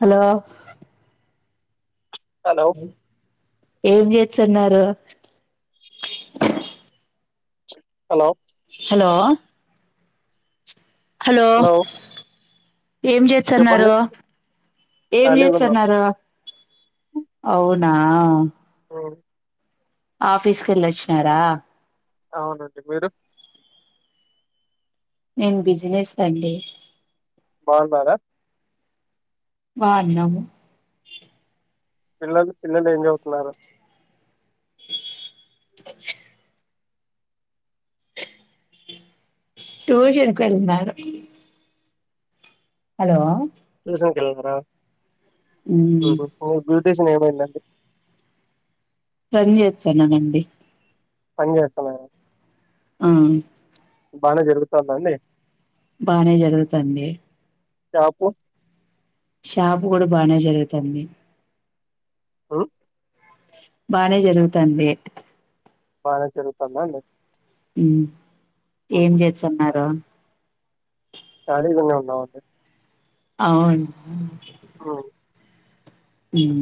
హలోలో hello ఏం చేస్తున్నారు చె హలో హలో హలో ఏం చెప్పండి చేస్తుంటారు ఏమీ ఖాళీగున్నాం చేస్తుంటారు మీరు నా ఆ ఆఫీసు కి వెళ్ళొచ్చినారా అవునండి మీరు నేను బిజినెస్ అండి బాగునర బాగునము పిల్లలు పిల్లలు ఏం చవుతున్నారు అ ట్యూషన్ కి వేలును హలో చూసామ్ కల్కారా [inaudible] [unintelligible] తెలిసింది ఏమిటంటే [unintelligible] పెళ్లి జేయచ్చానానండి [unintelligible] పని చేస్తాన్నా ఆ బానే జరుగుతాందా అండి బానే జరుగుతంది షాపు షాపు కూడా బానే జరుగుతంది ఉ బానే జరుగుతంది బానే జరుగుతందా అండి ఉమ్ ఏం ఉహు చేస్తన్నారు శాండ్విచ్ తిన్నాం బామ్మర్ది అవునా ఆ ఉమ్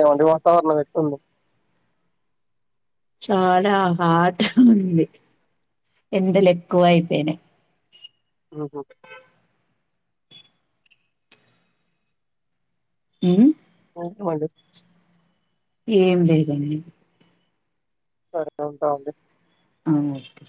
ఏవంటి వాతావరణం ఎట్టుంది [inaudible] చాలా హాట్ ఉంది ఎండలు ఎక్కువ అయిపోయినయ్ ఉహు హుమ్ వాడు ఏం లేగానీ సరే ఉంటా అండి ఆ ఓకే స